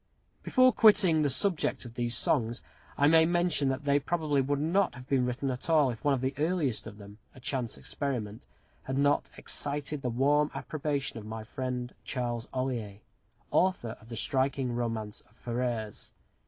Before quitting the subject of these songs, I may mention that they probably would not have been written at all if one of the earliest of them a chance experiment had not excited the warm approbation of my friend, Charles Ollier, author of the striking romance of "Ferrers."